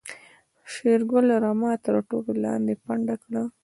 شېرګل رمه تر توت لاندې پنډه کړه.